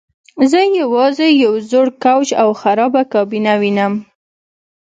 زه یوازې یو زوړ کوچ او خرابه کابینه وینم